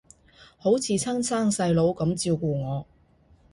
好似親生細佬噉照顧我